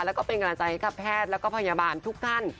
แล้วก็เป็นกำลังใจให้กับแพทย์แล้วก็พยาบาลทุกท่าน